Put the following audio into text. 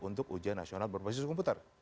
untuk ujian nasional berbasis komputer